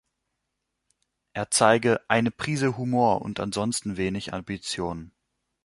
Er zeige "„eine Prise Humor und ansonsten wenig Ambitionen“".